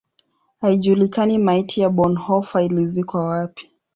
Haijulikani maiti ya Bonhoeffer ilizikwa wapi.